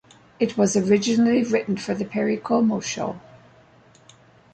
It was originally written for "The Perry Como Show".